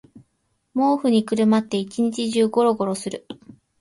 毛布にくるまって一日中ゴロゴロする